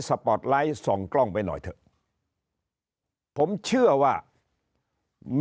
ปอร์ตไลท์ส่องกล้องไปหน่อยเถอะผมเชื่อว่า